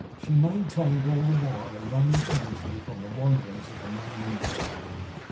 She maintained, all the while, a running commentary upon the wanderings of the man in bed.